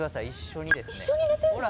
一緒にですね。